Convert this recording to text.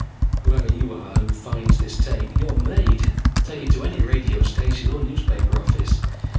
Whoever you are who finds this tape, you're made. Take it to any radio station or newspaper office.